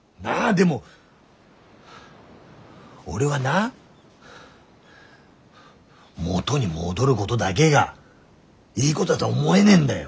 でも俺はな元に戻るごどだげがいいごどだどは思えねえんだよ。